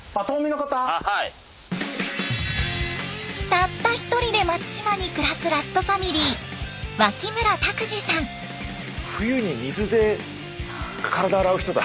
たった一人で松島に暮らすラストファミリー冬に水で体洗う人だ。